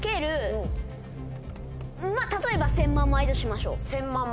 例えば１０００万枚としましょう。